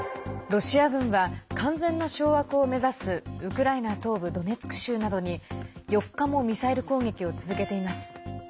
ロシア軍は完全な掌握を目指すウクライナ東部ドネツク州などに４日もミサイル攻撃を続けています。